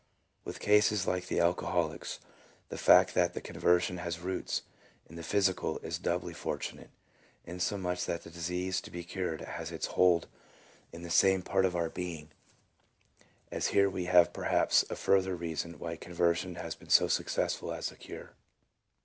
With cases like the alcoholic's the fact that the conversion has roots in the physical is doubly fortunate, insomuch that the disease to be cured has its hold in the same part of our being, and here we have perhaps a further reason why conversion has been so successful as a cure.